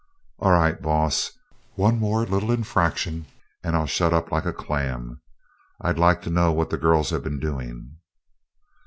"All right, boss; one more little infraction and I'll shut up like a clam. I'd like to know what the girls have been doing."